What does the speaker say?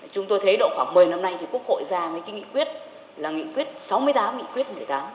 chúng tôi thấy độ khoảng một mươi năm nay quốc hội ra mấy nghị quyết là nghị quyết sáu mươi tám nghị quyết một mươi tám